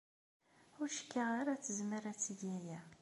Ur cikkeɣ ara tezmer ad teg aya.